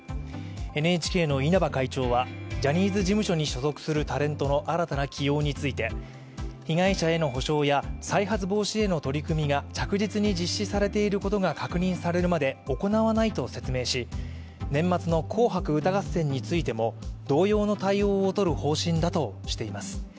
ＮＨＫの稲葉会長は、ジャニーズ事務所に所属するタレントの新たな起用について被害者への補償や再発防止への取り組みが着実に実施されていることが確認されるまで行わないと説明し年末の「紅白歌合戦」についても同様の対応を取る方針だとしています。